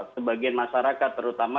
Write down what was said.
sebagian masyarakat terutama